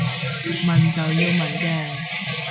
問就要問嘅